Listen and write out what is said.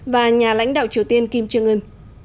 và nhà lãnh đạo triều tiên kim jong un